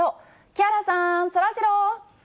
木原さん、そらジロー。